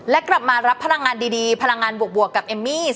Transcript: และกลับมารับพลังงานดีพลังงานบวกกับเอมมี่